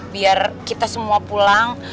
biar kita semua pulang